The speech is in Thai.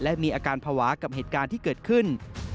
และมีอาการภาวะกับเหตุการณ์ที่เกิดขึ้น